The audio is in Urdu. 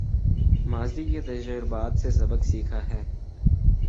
ماضی کے تجربات سے سبق سیکھا ہے